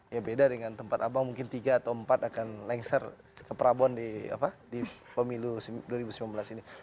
ya beda dengan tempat abang mungkin tiga atau empat akan lengser ke prabon di pemilu dua ribu sembilan belas ini